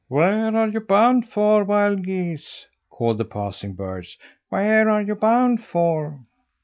"Where are you bound for, wild geese?" called the passing birds. "Where are you bound for?"